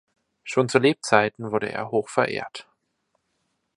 Schon zu Lebzeiten wurde er hoch verehrt.